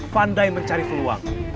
fandai mencari peluang